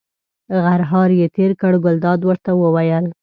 غرهار یې تېر کړ، ګلداد ورته وویل.